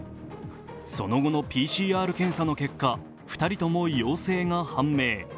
その後のＰＣＲ検査の結果、２人とも陽性が判明。